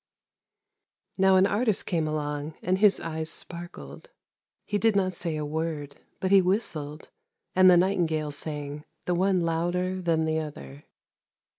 Now an artist came along and his eyes sparkled, he did not say a word, but he whistled and the nightingales sang, the one louder than the other.